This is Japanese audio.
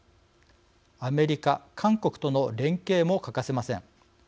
アメリカ、韓国との連携も欠かせません。